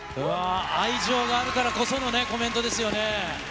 愛情があるからこそのね、コメントですよね。